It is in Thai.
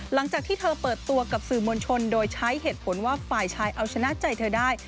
หลังจากที่เธอเปิดตัวกับสื่อมวลชนโดยใช้เหตุผลว่าฝ่ายชายเอาชนะใจเธอได้